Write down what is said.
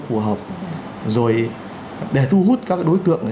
phù hợp rồi để thu hút các đối tượng